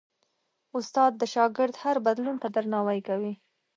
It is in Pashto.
استاد د شاګرد هر بدلون ته درناوی کوي.